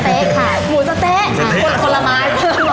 หมูสะเต๊ะคนละมาก